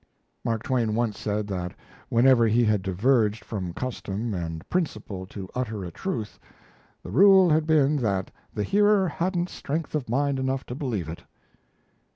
Mark Twain once said that whenever he had diverged from custom and principle to utter a truth, the rule had been that the hearer hadn't strength of mind enough to believe it.